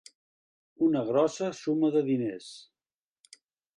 Una grossa suma de diners.